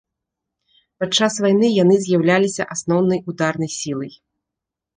Падчас вайны яны з'яўляліся асноўнай ударнай сілай.